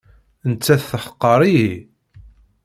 Nettat teḥqer-iyi.